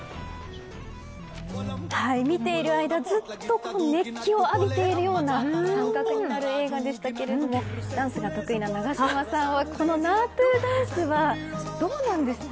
見ている間ずっと熱気を浴びているような感覚になる映画でしたけどダンスが得意な永島さんはこのナートゥダンスはどうなんですか。